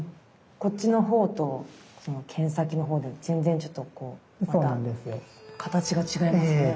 こっちのほうと剣先のほうで全然ちょっとこうまた形が違いますね。